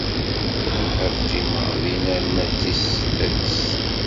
Ad qqimeɣ din arma d tis sḍiset.